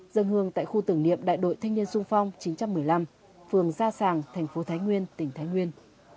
dân hương tại khu tưởng niệm đại đội thanh niên sung phong chín trăm một mươi năm phường gia sàng thành phố thái nguyên tỉnh thái nguyên